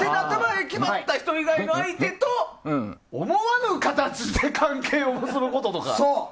決まった人以外の相手と思わぬ形で関係を結ぶこととか。